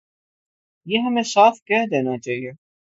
یہ ہمیں صاف کہہ دینا چاہیے۔